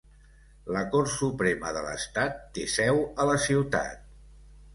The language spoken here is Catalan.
La cort suprema de l'estat té seu a la ciutat.